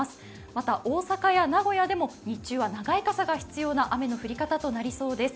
また、大阪や名古屋でも日中は大きな傘が必要な雨の降り方となりそうです。